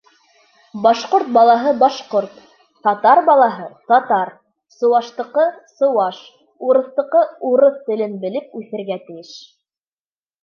Башҡорт балаһы — башҡорт, татар балаһы — татар, сыуаштыҡы — сыуаш, урыҫтыҡы урыҫ телен белеп үҫергә тейеш.